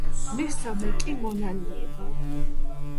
მესამე კი „მონანიება“.